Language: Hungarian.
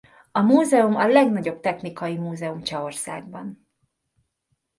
A múzeum a legnagyobb technikai múzeum Csehországban.